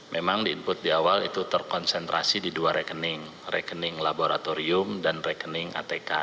memang di input di awal itu terkonsentrasi di dua rekening rekening laboratorium dan rekening atk